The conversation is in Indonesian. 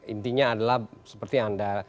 intinya adalah seperti anda